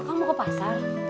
kamu mau ke pasar